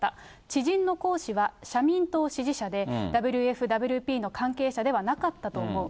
知人の講師は社民党支持者で、ＷＦＷＰの関係者ではなかったと思う。